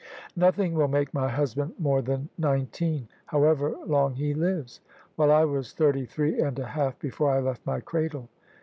Nothing will make my husband more than nineteen, however long he lives: while I was thirty three and a half before I left my cradle.